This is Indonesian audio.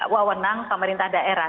wawonang pemerintah daerah